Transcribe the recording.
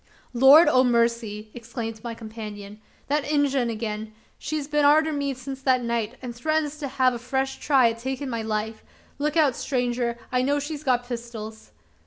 "Lord o' mercy!" exclaimed my companion, "that Injun again! She's been arter me since that night, an' threatens to have a fresh try at takin' my life. Look out stranger! I know she's got pistols."